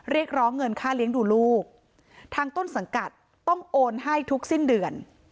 เรียกร้องเงินค่าเลี้ยงดูลูกทางต้นสังกัดต้องโอนให้ทุกสิ้นเดือน